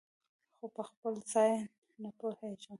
خو پخپل ځان نه پوهیږم